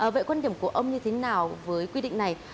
vậy quan điểm của ông như thế nào với quy định này